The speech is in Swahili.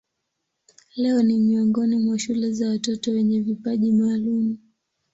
Leo ni miongoni mwa shule za watoto wenye vipaji maalumu.